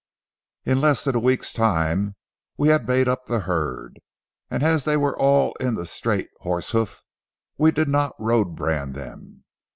In less than a week's time we had made up the herd, and as they were all in the straight 'horse hoof' we did not road brand them.